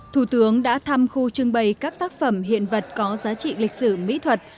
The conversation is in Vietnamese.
thủ tướng đã thăm khu trưng bày các tác phẩm hiện vật có giá trị lịch sử mỹ thuật